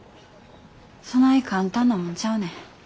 そない簡単なもんちゃうねん。